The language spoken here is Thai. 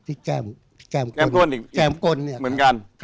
ที่แก้มก้น